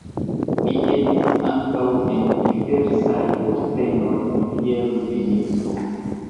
Li estis ankaŭ en diversaj postenoj kiel ministro.